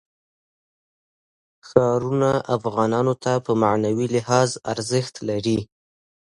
ښارونه افغانانو ته په معنوي لحاظ ارزښت لري.